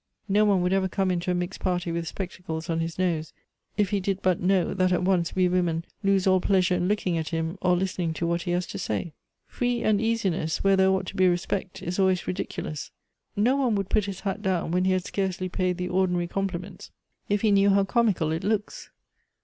" No one would ever come into a mixed party with spectacles on his nose, if he did but know that at once we jvomen lose all pleasure in looking at him or listening to what he has to say. " Free and easiness, where there ought to be respect, is always ridiculous. No one would put his hat down when he had scarcely paid the ordinary compliments if he knew how comical it looks.